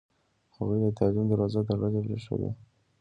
هغوی د تعلیم دروازه تړلې پرېښوده.